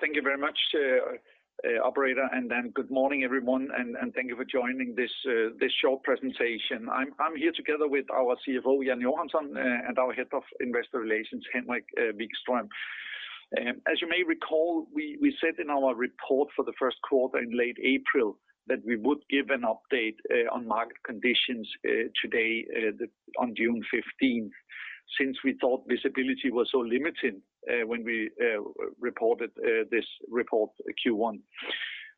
Thank you very much, operator. Good morning, everyone, and thank you for joining this short presentation. I'm here together with our CFO, Jan Johansson, and our Head of Investor Relations, Henrik Wikström. As you may recall, we said in our report for the first quarter in late April that we would give an update on market conditions today on June 15th, since we thought visibility was so limited when we reported this report for Q1.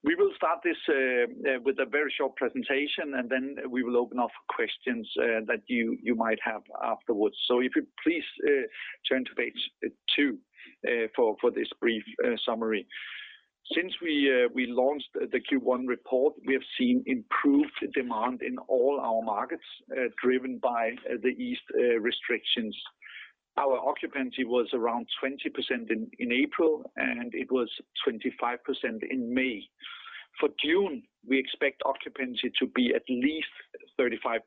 We will start this with a very short presentation, and then we will open up for questions that you might have afterwards. If you could please turn to page 2 for this brief summary. Since we launched the Q1 report, we have seen improved demand in all our markets, driven by the eased restrictions. Our occupancy was around 20% in April, and it was 25% in May. For June, we expect occupancy to be at least 35%.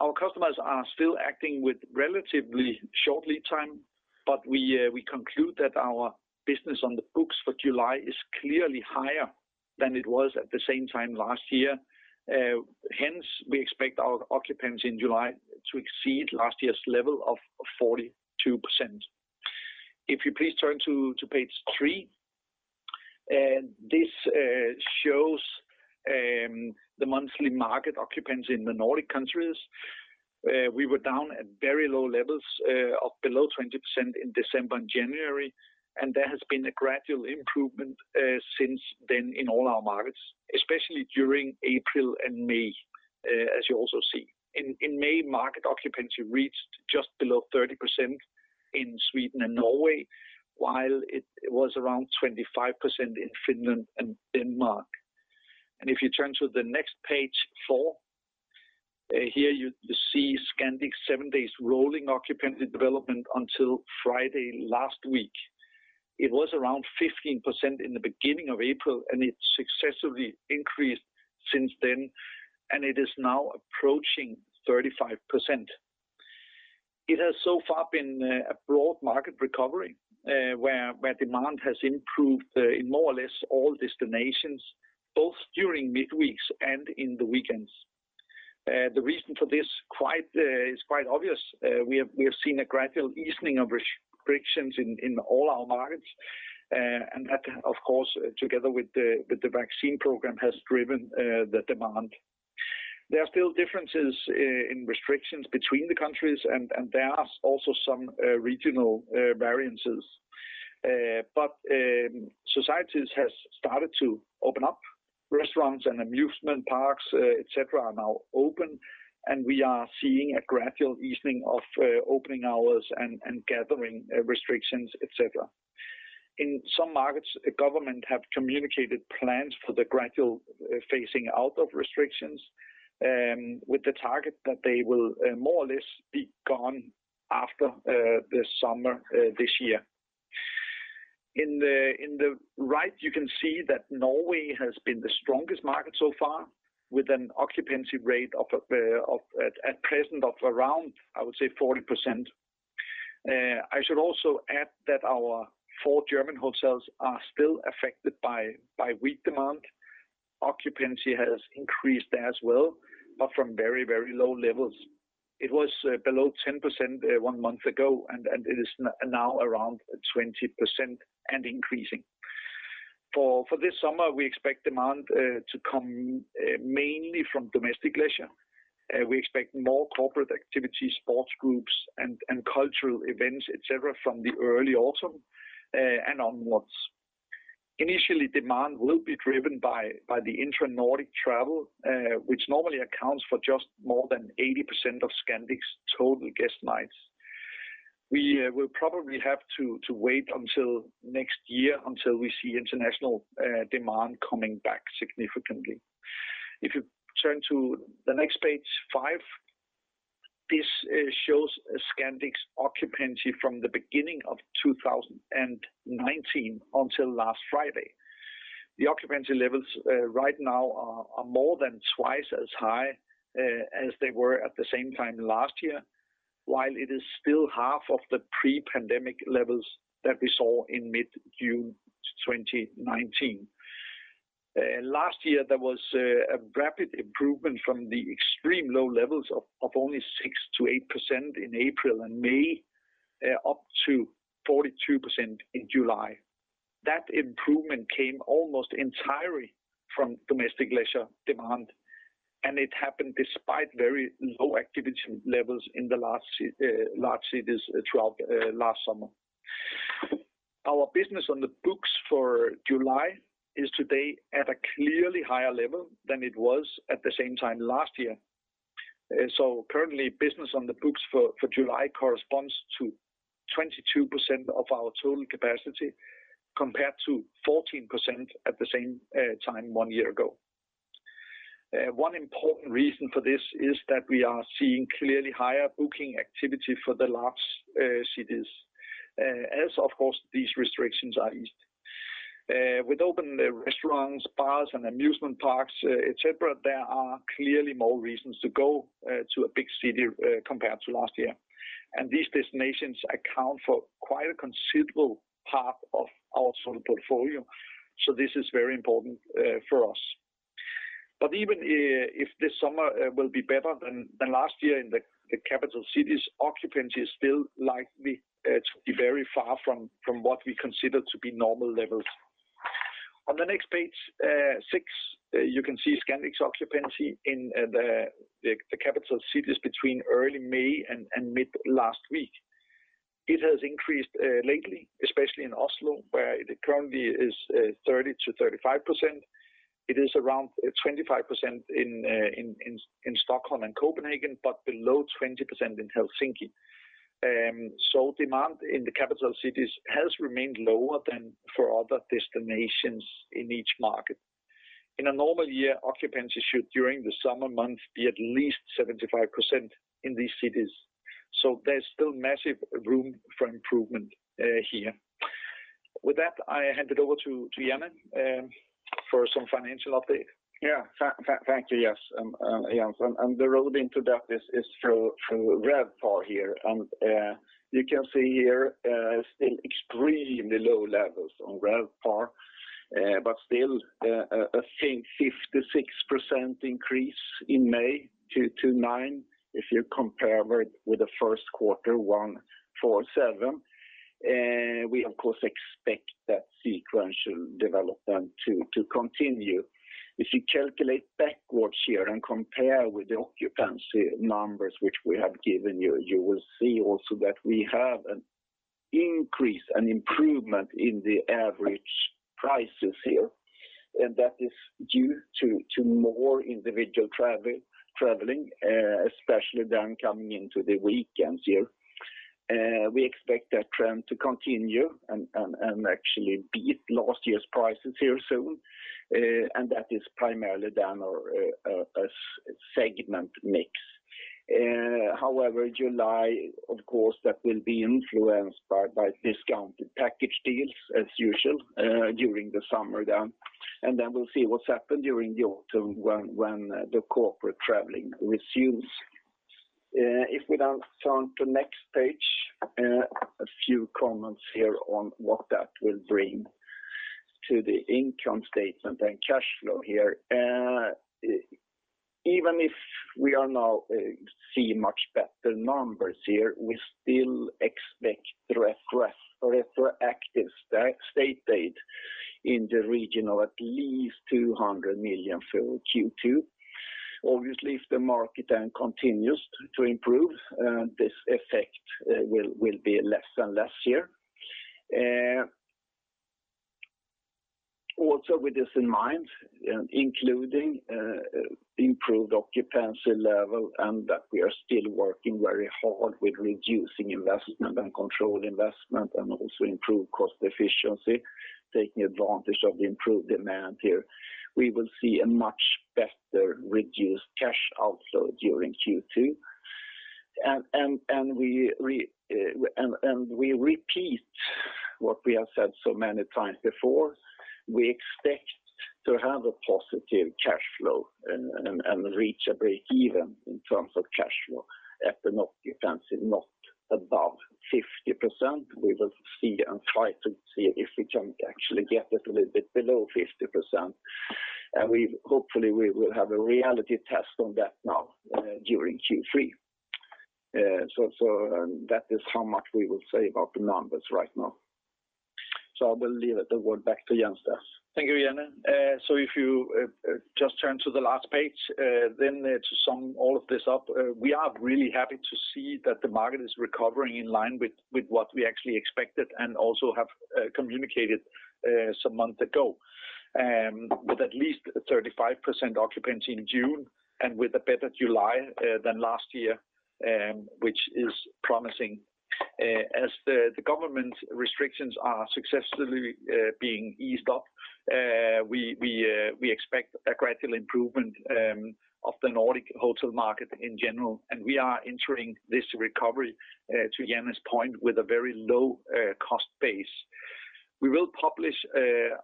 Our customers are still acting with relatively short lead time, but we conclude that our business on the books for July is clearly higher than it was at the same time last year. Hence, we expect our occupancy in July to exceed last year's level of 42%. If you please turn to page 3. This shows the monthly market occupancy in the Nordic countries. We were down at very low levels of below 20% in December and January, and there has been a gradual improvement since then in all our markets, especially during April and May, as you also see. In May, market occupancy reached just below 30% in Sweden and Norway, while it was around 25% in Finland and Denmark. If you turn to the next page, 4. Here you see Scandic's seven days rolling occupancy development until Friday last week. It was around 15% in the beginning of April, and it successively increased since then, and it is now approaching 35%. It has so far been a broad market recovery, where demand has improved in more or less all destinations, both during midweeks and in the weekends. The reason for this is quite obvious. We have seen a gradual easing of restrictions in all our markets, and that, of course, together with the vaccine program, has driven the demand. There are still differences in restrictions between the countries, and there are also some regional variances. Societies have started to open up. Restaurants and amusement parks, et cetera, are now open, and we are seeing a gradual easing of opening hours and gathering restrictions, et cetera. In some markets, the government have communicated plans for the gradual phasing out of restrictions, with the target that they will more or less be gone after the summer this year. In the right, you can see that Norway has been the strongest market so far, with an occupancy rate at present of around, I would say, 40%. I should also add that our four German hotels are still affected by weak demand. Occupancy has increased there as well, but from very low levels. It was below 10% one month ago, and it is now around 20% and increasing. For this summer, we expect demand to come mainly from domestic leisure. We expect more corporate activity, sports groups, and cultural events, et cetera, from the early autumn and onwards. Initially, demand will be driven by the intra-Nordic travel, which normally accounts for just more than 80% of Scandic's total guest nights. We will probably have to wait until next year until we see international demand coming back significantly. If you turn to the next page, 5. This shows Scandic's occupancy from the beginning of 2019 until last Friday. The occupancy levels right now are more than twice as high as they were at the same time last year, while it is still half of the pre-pandemic levels that we saw in mid-June 2019. Last year, there was a rapid improvement from the extreme low levels of only 6%-8% in April and May, up to 42% in July. That improvement came almost entirely from domestic leisure demand, and it happened despite very low activity levels in the large cities last summer. Our business on the books for July is today at a clearly higher level than it was at the same time last year. Currently, business on the books for July corresponds to 22% of our total capacity, compared to 14% at the same time one year ago. One important reason for this is that we are seeing clearly higher booking activity for the large cities as, of course, these restrictions are eased. With open restaurants, bars, and amusement parks, et cetera, there are clearly more reasons to go to a big city compared to last year. These destinations account for quite a considerable part of our sort of portfolio, so this is very important for us. Even if this summer will be better than last year in the capital cities, occupancy is still likely to be very far from what we consider to be normal levels. On the next page, 6, you can see Scandic's occupancy in the capital cities between early May and mid last week. It has increased lately, especially in Oslo, where it currently is 30%-35%. It is around 25% in Stockholm and Copenhagen, but below 20% in Helsinki. Demand in the capital cities has remained lower than for other destinations in each market. In a normal year, occupancy should, during the summer months, be at least 75% in these cities. There's still massive room for improvement here. With that, I hand it over to Jan for some financial update. Thank you, Jens. The road into that is through RevPAR here. You can see here extremely low levels on RevPAR, but still a 56% increase in May 229 if you compare it with the first quarter 147. We, of course, expect that sequential development to continue. If you calculate backwards here and compare with the occupancy numbers which we have given you will see also that we have an increase, an improvement in the average prices here. That is due to more individual traveling, especially them coming into the weekends here. We expect that trend to continue and actually beat last year's prices here soon. That is primarily down our segment mix. However, July, of course, that will be influenced by discounted package deals as usual during the summer time. We'll see what's happened during the autumn when the corporate traveling resumes. If we now turn to the next page, a few comments here on what that will bring to the income statement and cash flow here. Even if we are now seeing much better numbers here, we still expect the retroactive state aid in the region of at least 200 million for Q2. Obviously, if the market then continues to improve, this effect will be less than last year. Also with this in mind, including improved occupancy level and that we are still working very hard with reducing investment and controlled investment and also improved cost efficiency, taking advantage of the improved demand here, we will see a much better reduced cash outflow during Q2. We repeat what we have said so many times before, we expect to have a positive cash flow and reach a breakeven in terms of cash flow at an occupancy not above 50%. We will see and try to see if we can actually get it a little bit below 50%. Hopefully, we will have a reality test on that now, during Q3. That is how much we will say about the numbers right now. I will leave it and go back to Jens there. Thank you, Jan. If you just turn to the last page, to sum all of this up, we are really happy to see that the market is recovering in line with what we actually expected and also have communicated some months ago. With at least 35% occupancy in June and with a better July than last year, which is promising. As the government restrictions are successfully being eased up, we expect a gradual improvement of the Nordic hotel market in general, and we are entering this recovery, to Jan's point, with a very low cost base. We will publish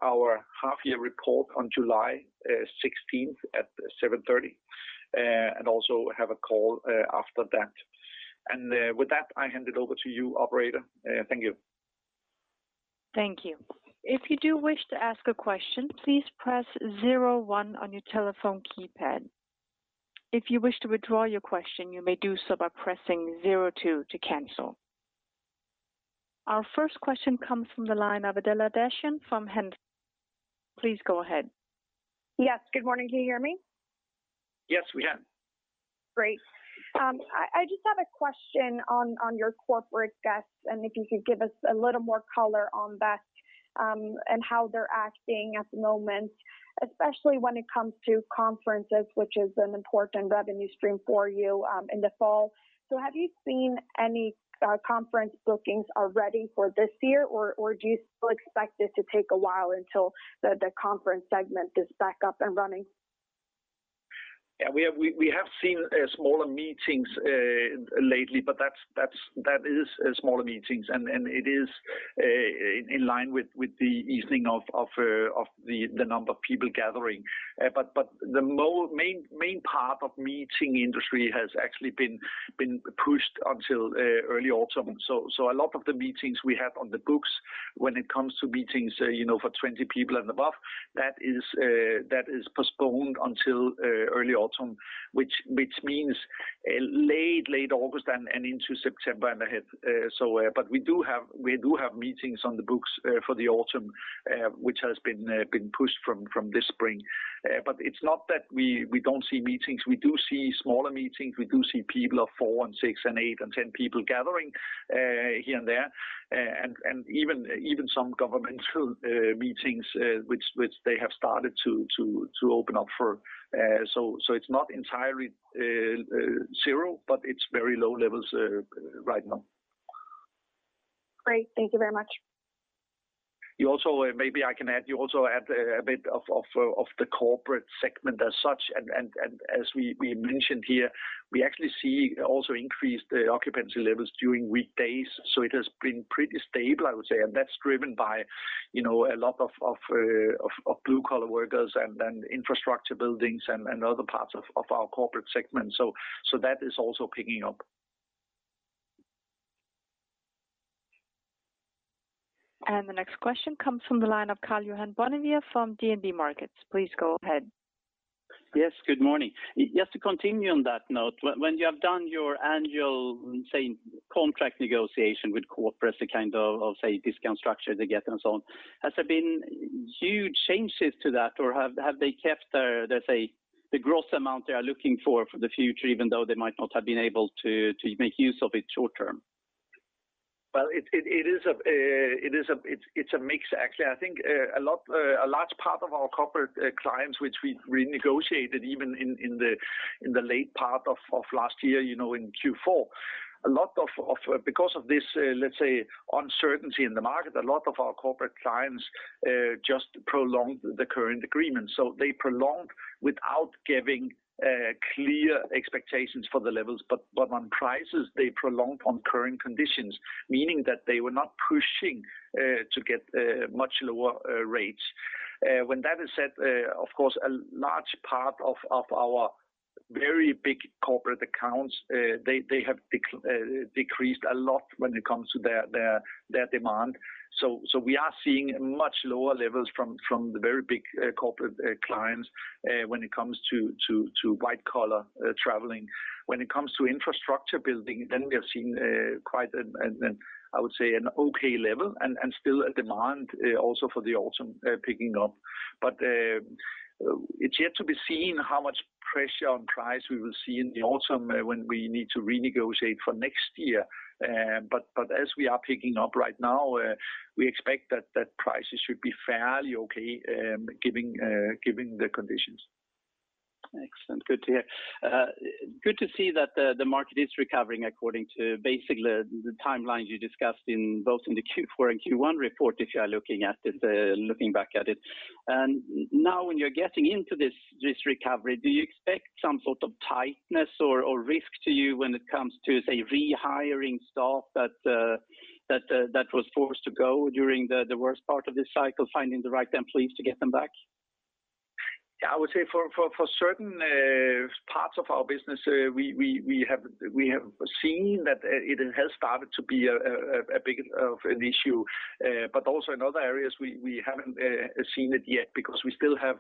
our half-year report on July 16th at 7:30 A.M. and also have a call after that. With that, I hand it over to you, operator. Thank you. Thank you. If you do wish to ask a question, please press zero one on your telephone keypad. If you wish to withdraw your question, you may do so by pressing zero two to cancel. Our first question comes from the line of Adela Dashian from Handelsbanken. Please go ahead. Yes. Good morning. Can you hear me? Yes, we can. Great. I just had a question on your corporate guests, and if you could give us a little more color on that and how they're acting at the moment, especially when it comes to conferences, which is an important revenue stream for you in the fall. Have you seen any conference bookings already for this year, or do you still expect it to take a while until the conference segment is back up and running? Yeah. We have seen smaller meetings lately, but that is smaller meetings, and it is in line with the easing of the number of people gathering. The main part of meeting industry has actually been pushed until early autumn. A lot of the meetings we have on the books when it comes to meetings for 20 people and above, that is postponed until early autumn, which means late August and into September and ahead. We do have meetings on the books for the autumn which has been pushed from this spring. It's not that we don't see meetings. We do see smaller meetings. We do see people of four and six and eight and 10 people gathering here and there, and even some governmental meetings which they have started to open up for. It's not entirely zero, but it's very low levels right now. Great. Thank you very much. Maybe I can add also a bit of the corporate segment as such, and as we mentioned here, we actually see also increased occupancy levels during weekdays. It has been pretty stable, I would say. That's driven by a lot of blue-collar workers and then infrastructure buildings and other parts of our corporate segment. That is also picking up. The next question comes from the line of Karl-Johan Bonnevier from DNB Markets. Please go ahead. Yes, good morning. Just to continue on that note, when you have done your annual, say, contract negotiation with corporate, the kind of, I'll say, discount structure they get and so on, has there been huge changes to that? Have they kept their, let's say, the gross amount they are looking for the future, even though they might not have been able to make use of it short-term? Well, it's a mix, actually. I think a large part of our corporate clients, which we negotiated even in the late part of last year, in Q4. Because of this, let's say, uncertainty in the market, a lot of our corporate clients just prolonged the current agreement. They prolonged without giving clear expectations for the levels, but on prices, they prolonged on current conditions, meaning that they were not pushing to get much lower rates. When that is said, of course, a large part of our very big corporate accounts, they have decreased a lot when it comes to their demand. We are seeing much lower levels from the very big corporate clients when it comes to white-collar traveling. When it comes to infrastructure building, then we have seen quite, I would say, an okay level and still a demand also for the autumn picking up. It's yet to be seen how much pressure on price we will see in the autumn when we need to renegotiate for next year. As we are picking up right now, we expect that prices should be fairly okay given the conditions. Excellent. Good to hear. Good to see that the market is recovering according to basically the timeline you discussed both in the Q4 and Q1 report, if you are looking back at it. Now when you're getting into this recovery, do you expect some sort of tightness or risk to you when it comes to, say, rehiring staff that was forced to go during the worst part of this cycle, finding the right employees to get them back? Yeah, I would say for certain parts of our business, we have seen that it has started to be a bit of an issue. Also in other areas, we haven't seen it yet because we still have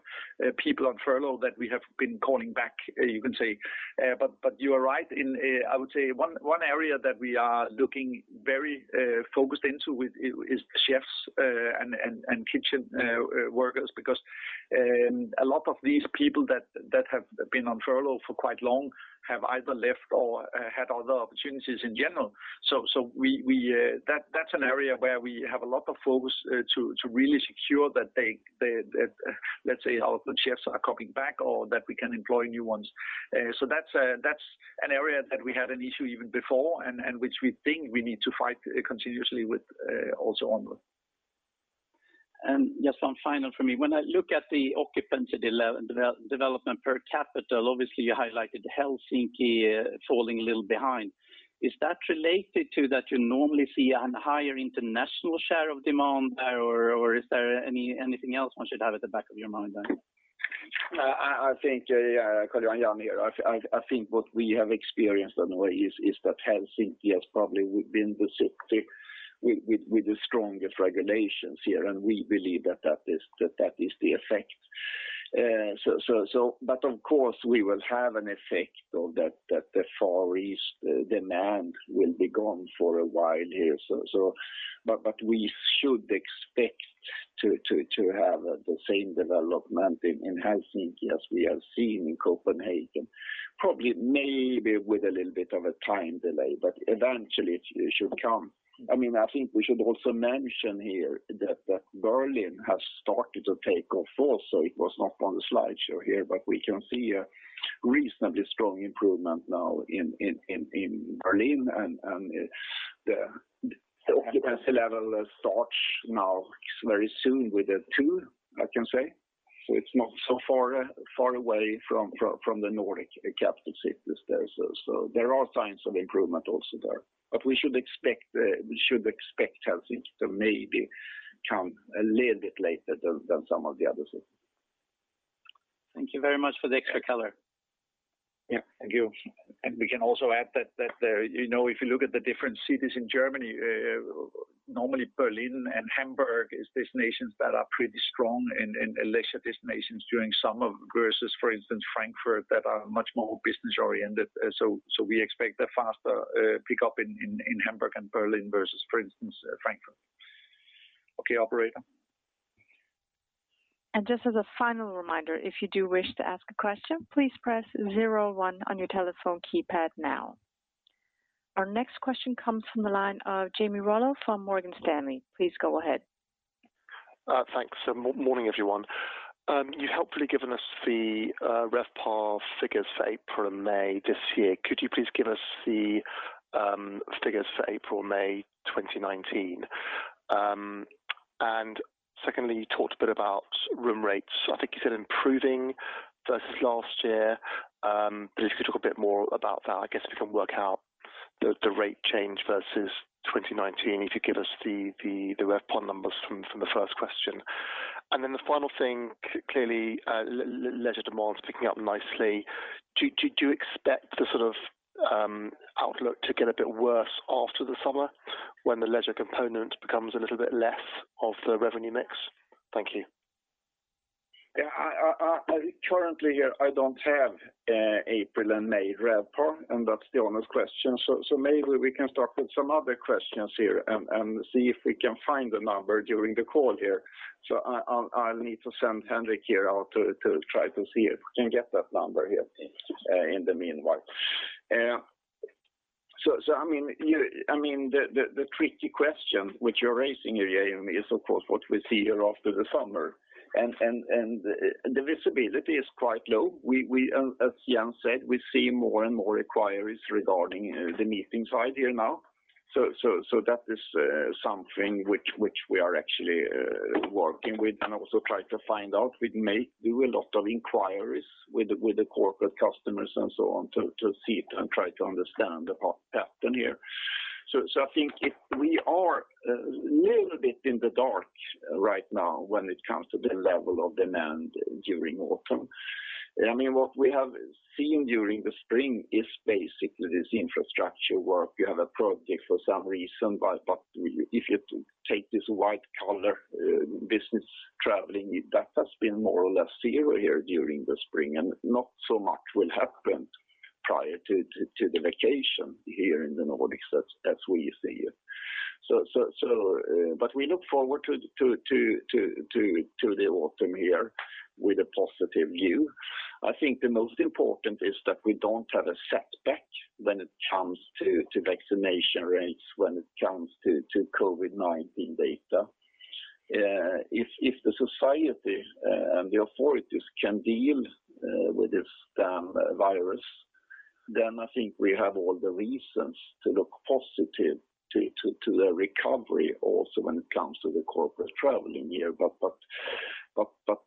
people on furlough that we have been calling back, you can say. You are right. I would say one area that we are looking very focused into is chefs and kitchen workers, because a lot of these people that have been on furlough for quite long have either left or had other opportunities in general. That's an area where we have a lot of focus to really secure that, let's say, our chefs are coming back or that we can employ new ones. That's an area that we had an issue even before and which we think we need to fight continuously with also onward. Just one final from me. When I look at the occupancy development per capital, obviously you highlighted Helsinki falling a little behind. Is that related to that you normally see a higher international share of demand there, or is there anything else one should have at the back of your mind there? I think, Karl-Johan, I think what we have experienced on the way is that Helsinki has probably been the city with the strongest regulations here, and we believe that is the effect. Of course, we will have an effect, though, that the Far East demand will be gone for a while here. We should expect to have the same development in Helsinki as we have seen in Copenhagen. Probably, maybe with a little bit of a time delay, but eventually it should come. I think we should also mention here that Berlin has started to take off also. It was not on the slideshow here, but we can see a reasonably strong improvement now in Berlin, and the occupancy level starts now very soon. I can say. It's not so far away from the Nordic capital cities there. There are signs of improvement also there. We should expect Helsinki to maybe come a little bit later than some of the other cities. Thank you very much for the extra color. Yeah, thank you. We can also add that, if you look at the different cities in Germany, normally Berlin and Hamburg is destinations that are pretty strong and leisure destinations during summer versus, for instance, Frankfurt, that are much more business-oriented. We expect a faster pickup in Hamburg and Berlin versus, for instance, Frankfurt. Okay, operator. Just as a final reminder, if you do wish to ask a question, please press zero one on your telephone keypad now. Our next question comes from the line of Jamie Rollo from Morgan Stanley. Please go ahead. Thanks. Morning, everyone. You helpfully given us the RevPAR figures for April and May this year. Could you please give us the figures for April, May 2019? Secondly, you talked a bit about room rates. I think it's been improving versus last year. If you could talk a bit more about that, I guess we can work out the rate change versus 2019. If you give us the RevPAR numbers from the first question. The final thing, clearly, leisure demand is picking up nicely. Do you expect the sort of outlook to get a bit worse after the summer when the leisure component becomes a little bit less of the revenue mix? Thank you. Yeah, currently here I don't have April and May RevPAR. That's the honest question. Maybe we can start with some other questions here and see if we can find the number during the call here. I'll need to send Henrik here out to try to see if we can get that number here in the meanwhile. The tricky question which you're raising, Jamie, is, of course, what we see here after the summer. The visibility is quite low. As Jan said, we see more and more inquiries regarding the meetings idea now. That is something which we are actually working with and also trying to find out. We may do a lot of inquiries with the corporate customers and so on to see it and try to understand the pattern here. I think we are a little bit in the dark right now when it comes to the level of demand during autumn. What we have seen during the spring is basically this infrastructure work. You have a project for some reason, but if you take this white-collar business traveling, that has been more or less zero here during the spring, and not so much will happen prior to the vacation here in the Nordics. That's where you see it. We look forward to the autumn here with a positive view. I think the most important is that we don't have a setback when it comes to vaccination rates, when it comes to COVID-19 data. If the society, the authorities can deal with this damn virus, I think we have all the reasons to look positive to the recovery also when it comes to the corporate traveling here.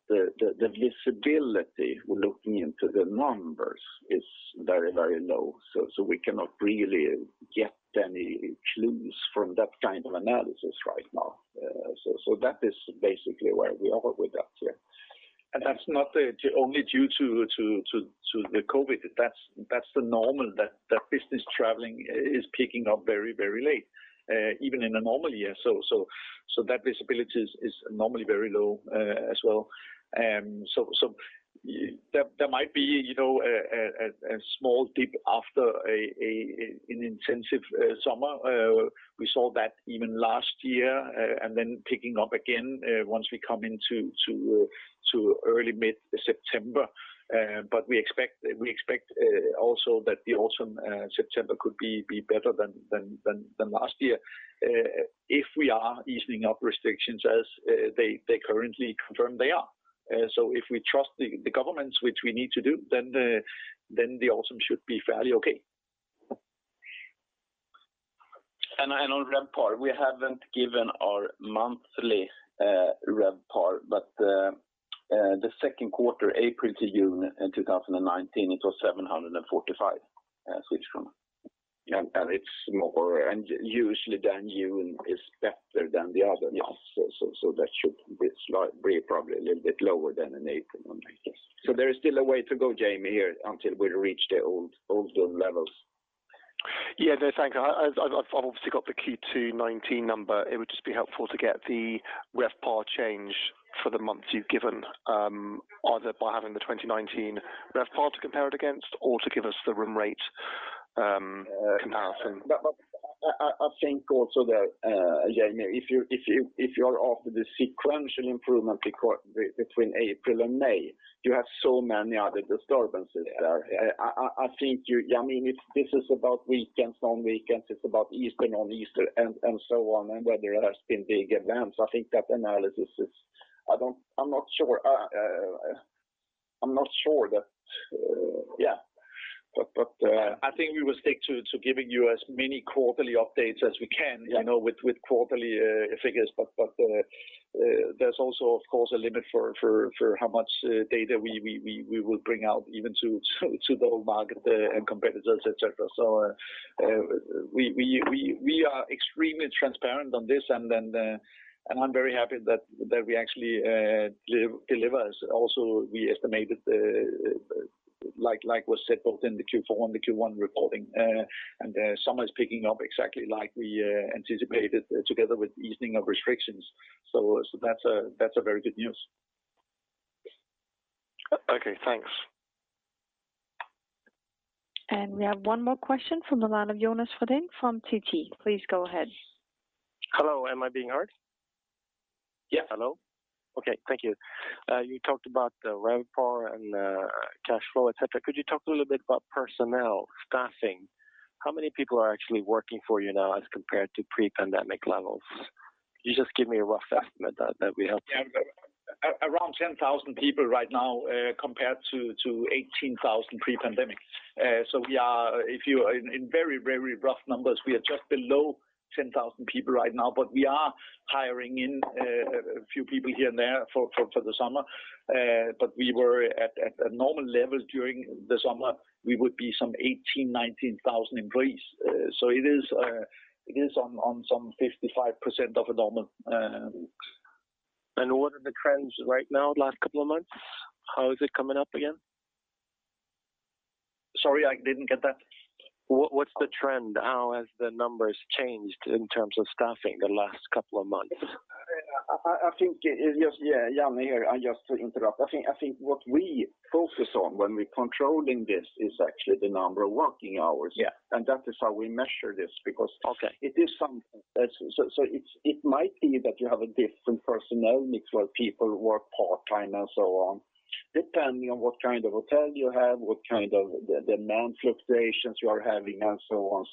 The visibility, looking into the numbers, is very low. We cannot really get any clues from that kind of analysis right now. That is basically where we are with that here. That's not only due to the COVID. That's the normal that business traveling is picking up very late, even in a normal year. That visibility is normally very low as well. There might be a small dip after an intensive summer. We saw that even last year, and then picking up again once we come into early, mid-September. We expect also that the autumn, September could be better than last year if we are easing up restrictions as they currently confirm they are. If we trust the governments, which we need to do, then the autumn should be fairly okay. I know RevPAR, we haven't given our monthly RevPAR, but the second quarter, April to June in 2019, it was 745 Swedish kronor. Yeah. It's more usually than June is better than the other months. That should be slightly, probably a little bit lower than an April one, I guess. There's still a way to go, Jamie, here until we reach the old levels. Yeah, no, thank you. I've obviously got the Q2 2019 number. It would just be helpful to get the RevPAR change for the months you've given, either by having the 2019 RevPAR to compare it against or to give us the room rate comparison. I think also that, Jamie, if you're after the sequential improvement between April and May, you have so many other disturbances there. This is about weekends, non-weekends, it's about Easter, non-Easter, and so on and whether there has been big events. I'm not sure that- Yeah. I think we will stick to giving you as many quarterly updates as we can with quarterly figures. There's also, of course, a limit for how much data we will bring out even to the whole market and competitors, et cetera. We are extremely transparent on this, and I'm very happy that we actually deliver. We estimated, like was said both in the Q1 and Q4 recording, and the summer is picking up exactly like we anticipated together with the easing of restrictions. That's a very good news. Okay, thanks. We have one more question from the line of Jonas Fågelbring from TT. Please go ahead. Hello, am I being heard? Yeah. Hello. Okay, thank you. You talked about the RevPAR and cash flow, et cetera. Could you talk a little bit about personnel staffing? How many people are actually working for you now as compared to pre-pandemic levels? Can you just give me a rough estimate that we have? Around 10,000 people right now compared to 18,000 pre-pandemic. In very rough numbers, we are just below 10,000 people right now, but we are hiring in a few people here and there for the summer. At normal levels during the summer, we would be some 18,000, 19,000 employees. It is on some 55% of the normal. What are the trends right now, last couple of months? How is it coming up again? Sorry, I didn't get that. What's the trend? How have the numbers changed in terms of staffing the last couple of months? Jan here. Just to interrupt. I think what we focus on when we're controlling this is actually the number of working hours. Yeah. That is how we measure this because- Okay. -it might be that you have a different personnel mix where people work part-time and so on, depending on what kind of hotel you have, what kind of demand fluctuations you are having, and so on.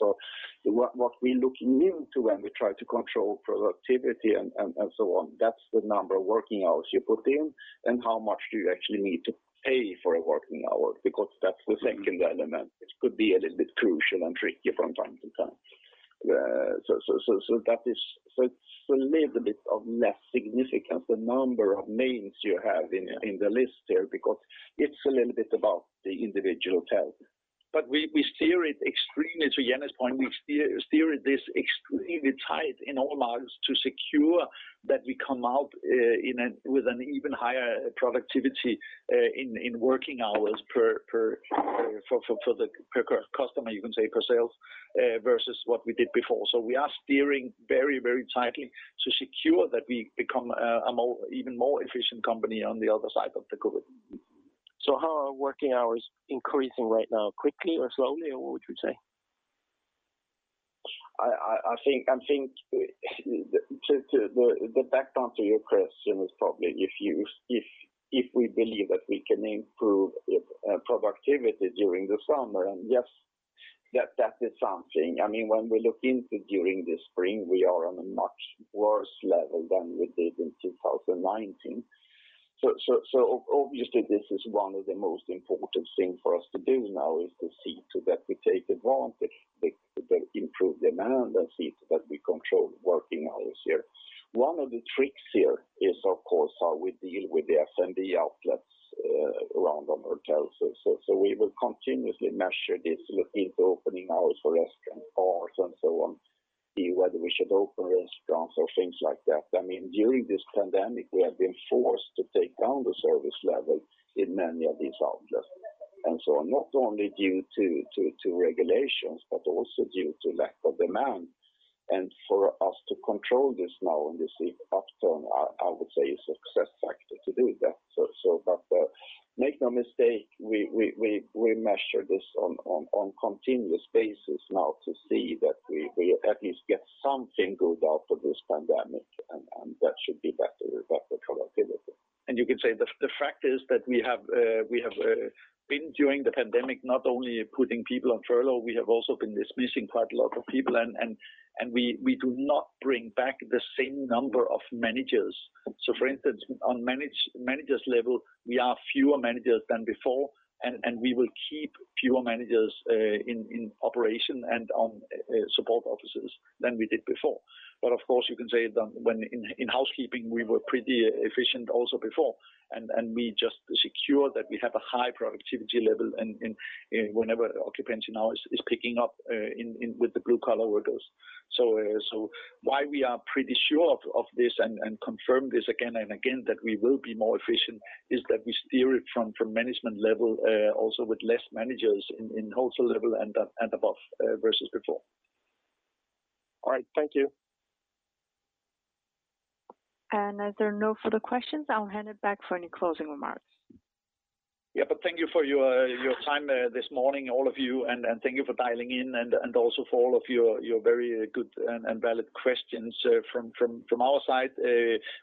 What we are looking into when we try to control productivity and so on, that's the number of working hours you put in and how much do you actually need to pay for a working hour, because that's the second element, which could be a little bit crucial and tricky from time to time. It's a little bit of less significance, the number of names you have in the list there, because it's a little bit about the individual hotel. To Jan's point, we steer this extremely tight in all markets to secure that we come out with an even higher productivity in working hours per customer, you can say, per sale, versus what we did before. We are steering very tightly to secure that we become an even more efficient company on the other side of the COVID. How are working hours increasing right now? Quickly or slowly, or what would you say? I think the background to your question is probably if we believe that we can improve productivity during the summer, and yes, that is something. When we look into during the spring, we are on a much worse level than we did in 2019. Obviously, this is one of the most important things for us to do now is to see to that we take advantage, improve demand, and see to that we control working hours here. One of the tricks here is, of course, how we deal with the F&B outlets around our hotels. We will continuously measure this, look into opening hours for restaurants, bars, and so on. See whether we should open restaurants or things like that. During this pandemic, we have been forced to take down the service levels in many of these outlets, and so on. Not only due to regulations but also due to lack of demand. For us to control this now in this is often, I would say, a success factor to do that. Make no mistake, we measure this on continuous basis now to see that we at least get something good out of this pandemic, and that should be better productivity. You can say that the fact is that we have been, during the pandemic, not only putting people on furlough, we have also been dismissing quite a lot of people. We do not bring back the same number of managers. For instance, on managers level, we are fewer managers than before, and we will keep fewer managers in operation and on support offices than we did before. Of course, you can say that in housekeeping, we were pretty efficient also before, and we just secure that we have a high productivity level and whenever occupancy now is picking up with the blue-collar workers. Why we are pretty sure of this and confirm this again and again, that we will be more efficient is that we steer it from management level, also with less managers in hotel level and above versus before. All right. Thank you. As there are no further questions, I'll hand it back for any closing remarks. Thank you for your time this morning, all of you, and thank you for dialing in and also for all of your very good and valid questions. From our side,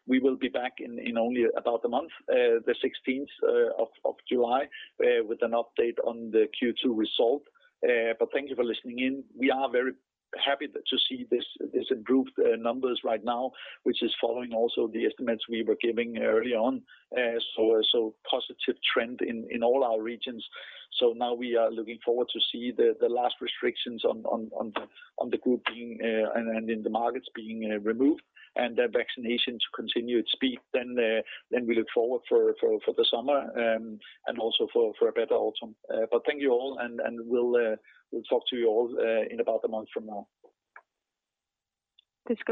we will be back in only about a month, the 16th of July, with an update on the Q2 result. Thank you for listening in. We are very happy to see these improved numbers right now, which is following also the estimates we were giving early on. A positive trend in all our regions. Now we are looking forward to see the last restrictions on the grouping and in the markets being removed and the vaccinations continue at speed. We look forward for the summer and also for a better autumn. Thank you all, and we will talk to you all in about a month from now. Thanks.